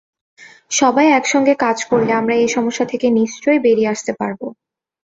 সবাই একসঙ্গে কাজ করলে আমরা এ সমস্যা থেকে নিশ্চয়ই বেরিয়ে আসতে পারব।